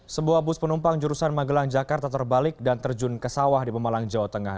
sebuah bus penumpang jurusan magelang jakarta terbalik dan terjun ke sawah di pemalang jawa tengah